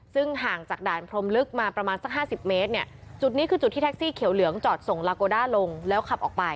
ซึ่งห่างจากด่านพรมลึกมาประมาณสักห้าสิบเมตรเนี่ยจุดนี้คือจุดที่แท็กซี่เขียวเหลืองจอดส่งลาโกด้าลงแล้วขับออกไป